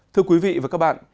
thưa quý vị và các bạn